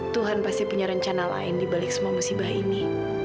tuhan pasti punya rencana lain dibalik semua musibah ini